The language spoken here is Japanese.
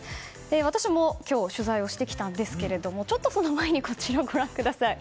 私も今日取材をしてきたんですがその前にこちらをご覧ください。